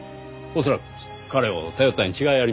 恐らく彼を頼ったに違いありません。